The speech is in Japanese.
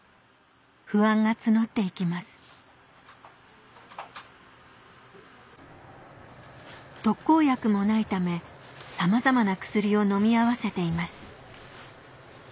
不安が募って行きます特効薬もないためさまざまな薬を飲み合わせています